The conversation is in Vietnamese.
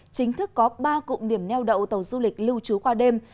chính thức có ba cụm điểm neo đậu tàu du lịch lưu trú qua đêm